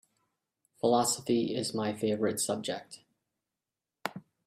Philosophy is my favorite subject.